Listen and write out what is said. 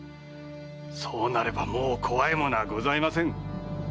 そうなればもう怖いものはございません。